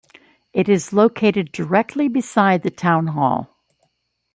It is located directly beside the Town Hall.